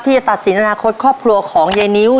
ที่จะตัดสินอนาคตข้อพลัวของเงี๊ยนิ้ว